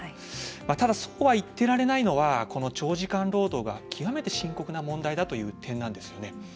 ただそうは言ってられないのは長時間労働が極めて深刻な問題だという点なんですよね。